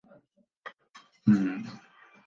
あの人は国内だけでなく世界に影響を与える存在です